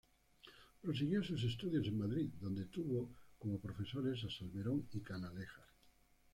Prosiguió sus estudios en Madrid, donde tuvo como profesores a Salmerón y Canalejas.